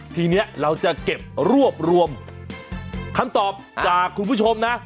ทีนี้เราจะเก็บรวบรวมคำตอบจากคุณผู้ชมนะ